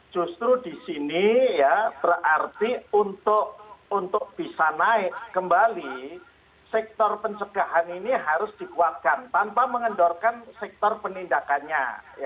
justru di sini ya berarti untuk bisa naik kembali sektor pencegahan ini harus dikuatkan tanpa mengendorkan sektor penindakannya